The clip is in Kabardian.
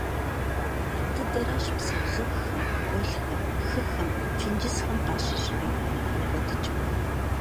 Ар дыдэращ псы ежэххэм, гуэлхэм, хыхэм, тенджызхэм къащыщӀри – йокӀуэдыкӀ.